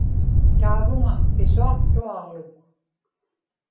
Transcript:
taavuŋa pisuaqtuaġluk